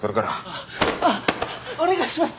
あっあぁお願いします